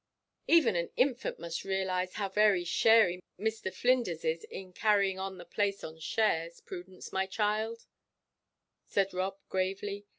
"Even an infant must realize how very sharey Mr. Flinders is in carrying on the place on shares, Prudence, my child," said Rob, gravely.